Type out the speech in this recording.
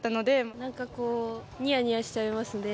なんかこう、にやにやしちゃいますね。